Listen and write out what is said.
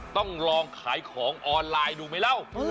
ต้องลองขายของออนไลน์ดูไหมเล่า